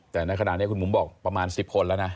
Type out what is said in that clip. แต่ในขณะนี้คุณบุ๋มบอกประมาณ๑๐คนแล้วนะ